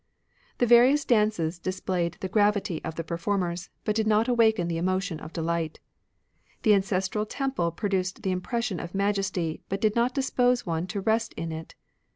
" The various dances displayed the Dances?* gravity of the performers, but did not awaken the emotion of delight. The ancestral temple produced the impression of majesty, but did not dispose one to rest in it.